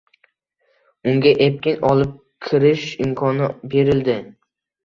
Unga epkin olib kirish imkoni berildi.